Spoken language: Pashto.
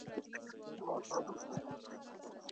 د هغوی لاره تعقيب کړئ.